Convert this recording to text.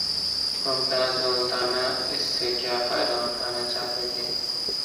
ممتاز دولتانہ اس سے کیا فائدہ اٹھانا چاہتے تھے؟